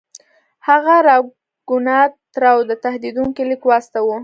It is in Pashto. هغه راګونات راو ته تهدیدونکی لیک واستاوه.